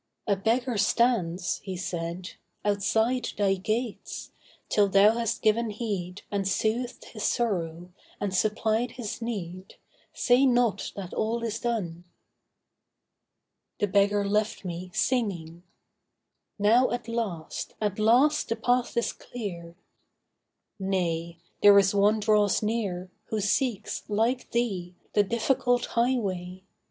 'A beggar stands,' he said, 'Outside thy gates; till thou hast given heed And soothed his sorrow, and supplied his need, Say not that all is done.' The beggar left me singing. 'Now at last— At last the path is clear.' 'Nay, there is one draws near Who seeks, like thee, the difficult highway.